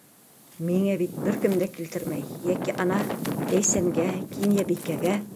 Миңә бит бер кем дә килтермәй йәки, ана, Ләйсәнгә, Кинйәбикәгә.